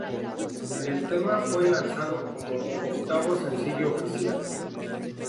El tema fue lanzado como octavo sencillo oficial.